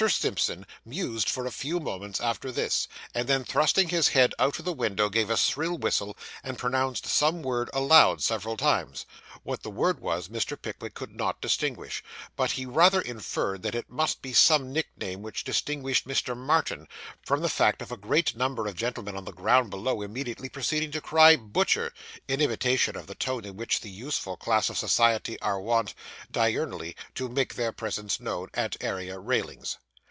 Simpson mused for a few moments after this, and then, thrusting his head out of the window, gave a shrill whistle, and pronounced some word aloud, several times. What the word was, Mr. Pickwick could not distinguish; but he rather inferred that it must be some nickname which distinguished Mr. Martin, from the fact of a great number of gentlemen on the ground below, immediately proceeding to cry 'Butcher!' in imitation of the tone in which that useful class of society are wont, diurnally, to make their presence known at area railings.